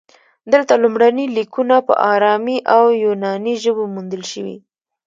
دلته لومړني لیکونه په ارامي او یوناني ژبو موندل شوي